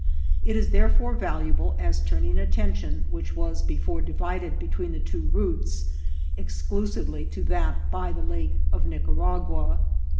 It is therefore valuable as turning attention, which was before divided between the two routes, exclusively to that by the Lake of Nicaragua.